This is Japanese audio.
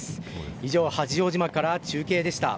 以上、八丈島から中継でした。